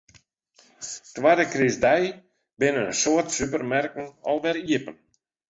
Twadde krystdei binne in soad supermerken alwer iepen.